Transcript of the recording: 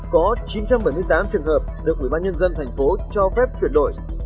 có chín trăm bảy mươi tám trường hợp được quỹ ban nhân dân thành phố cho phép chuyển đổi